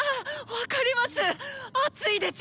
分かります！